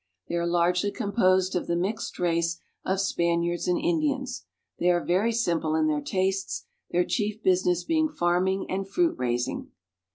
They are largely composed of the mixed race of Spaniards and Indians. They are very simple in their tastes, their chief business being farming and fruit raising.